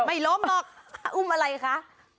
ไม่ล้มหรอกอุ้มอะไรคะ